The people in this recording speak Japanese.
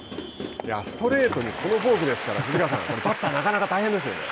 ストレートにこのフォークですから藤川さんバッター、なかなか大変ですね。